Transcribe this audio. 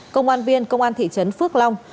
công an viên công an thị trấn phước long